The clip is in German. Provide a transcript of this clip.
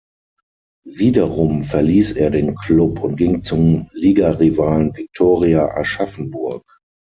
Wiederum verließ er den Klub und ging zum Ligarivalen Viktoria Aschaffenburg.